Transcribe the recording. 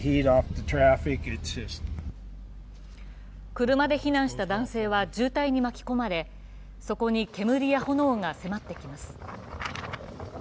車で避難した男性は渋滞に巻き込まれ、そこに煙や炎が迫ってきます。